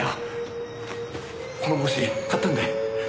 この帽子買ったんだよ。